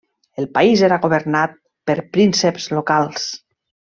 El país era governat per prínceps locals.